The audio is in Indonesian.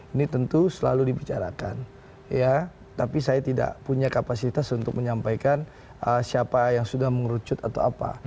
ini tentu selalu dibicarakan ya tapi saya tidak punya kapasitas untuk menyampaikan siapa yang sudah mengerucut atau apa